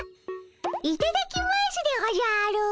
いただきますでおじゃる！